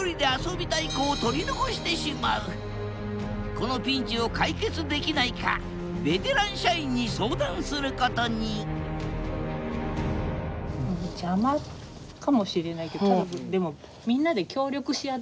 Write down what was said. このピンチを解決できないかベテラン社員に相談することに先輩いわく